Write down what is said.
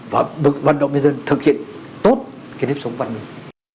và bục vận động nhân dân thực hiện tốt cái nếp sống văn minh